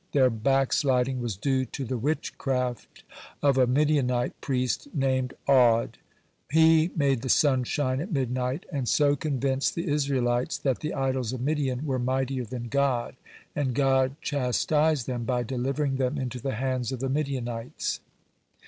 Their backsliding was due to the witchcraft of a Midianite priest named Aud. He made the sun shine at midnight, and so convinced the Israelites that the idols of Midian were mightier than God, and God chastised them by delivering them into the hands of the Midianties.